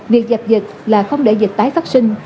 việc dập dịch là không để dịch tái phát sinh